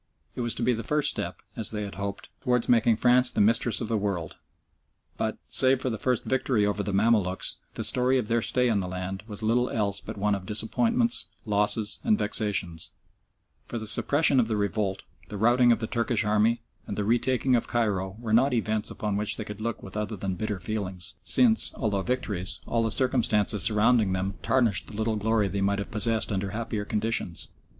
It was to be the first step, as they had hoped, towards making France the Mistress of the World, but, save for the first victory over the Mamaluks, the story of their stay in the land was little else but one of disappointments, losses and vexations; for the suppression of the revolt, the routing of the Turkish Army, and the retaking of Cairo were not events upon which they could look with other than bitter feelings, since, although victories, all the circumstances surrounding them tarnished the little glory they might have possessed under happier conditions.